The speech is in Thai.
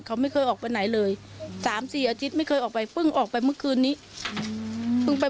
เขาไม่เคยออกไปไหนเลย๓๔อาทิตย์ไม่เคยออกไปเพิ่งออกไปเมื่อคืนนี้เพิ่งไป